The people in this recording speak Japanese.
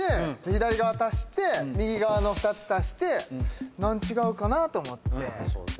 左側足して右側の２つ足して何違うかなと思って。